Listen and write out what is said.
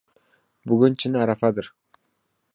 Bugun chin arafadir.